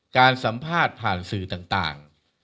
การสัมภาษณ์ผ่านสื่อต่าง